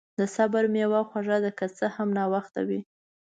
د صبر میوه خوږه ده، که څه هم ناوخته وي.